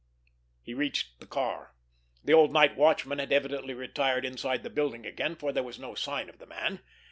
He reached the car. The old night watchman had evidently retired inside the building again, for there was no sign of the man.